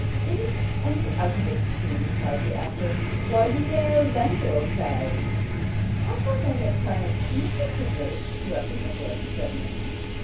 'In it and out of it too,' replied the actor. 'Why, you know, Lenville says ' 'I thought I had silenced him effectually,' interrupted Nicholas, reddening.